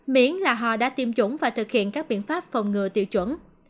miễn là họ đã tiêm chủng và thực hiện các biện pháp phòng ngừa tiêu chuẩn